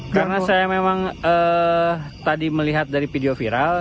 karena saya memang tadi melihat dari video viral